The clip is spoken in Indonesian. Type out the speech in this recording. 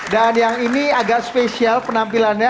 dan yang ini agak spesial penampilannya